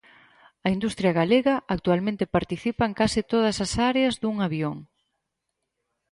A industria galega actualmente participa en case todas as áreas dun avión.